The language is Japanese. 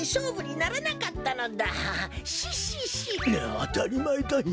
あたりまえだよ。